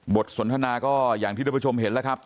สนทนาก็อย่างที่ท่านผู้ชมเห็นแล้วครับ